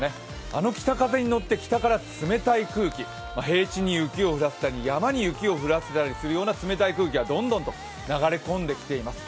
あの北風に乗って、北から冷たい空気、平地に雪を降らせたり、山に雪を降らせたりするような冷たい空気がどんどんと流れ込んできています。